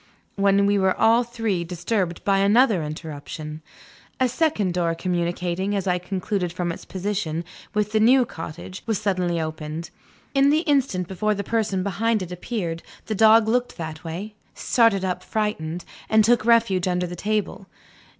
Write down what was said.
when we were all three disturbed by another interruption. A second door communicating, as I concluded from its position, with the new cottage, was suddenly opened. In the instant before the person behind it appeared, the dog looked that way started up, frightened and took refuge under the table.